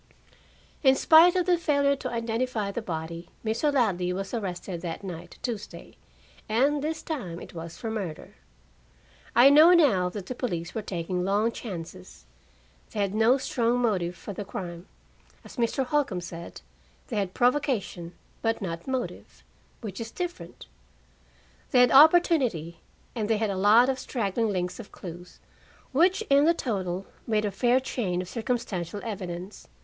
In spite of the failure to identify the body, Mr. Ladley was arrested that night, Tuesday, and this time it was for murder. I know now that the police were taking long chances. They had no strong motive for the crime. As Mr. Holcombe said, they had provocation, but not motive, which is different. They had opportunity, and they had a lot of straggling links of clues, which in the total made a fair chain of circumstantial evidence.